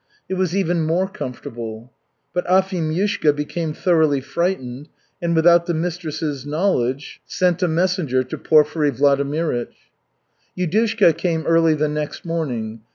It was even more comfortable. But Afimyushka became thoroughly frightened and without the mistress's knowledge sent a messenger to Porfiry Vladimirych. Yudushka came early the next morning.